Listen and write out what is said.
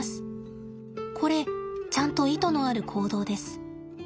これちゃんと意図のある行動です。